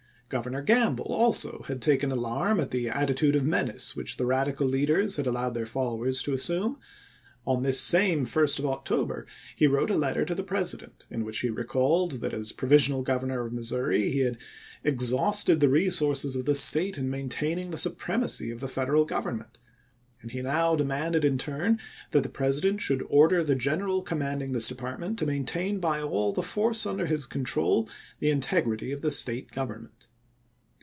Grovernor G amble also had taken alarm at the attitude of menace which the Radical leaders had allowed their followers to assume. On this same 1st of October he wi ote a letter to the President, in which he recalled that as provisional governor of Missouri he had " ex hausted the resources of the State in maintaining the supremacy of the Federal Government," and he now demanded in tm n that the President should " order the general commanding this department to maintain by all the force under his control the in tegrity of the State government."